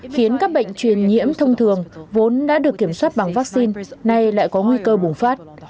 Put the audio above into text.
khiến các bệnh truyền nhiễm thông thường vốn đã được kiểm soát bằng vaccine nay lại có nguy cơ bùng phát